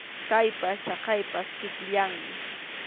Kaypas chaypas kikillanmi.